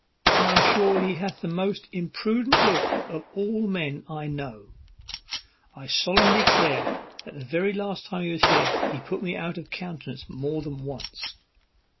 I am sure he hath the most impudent look of all the men I know; and I solemnly declare, the very last time he was here he put me out of countenance more than once."